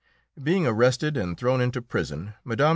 Being arrested and thrown into prison, Mme.